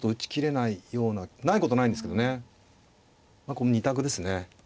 この２択ですね。